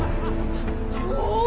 おお！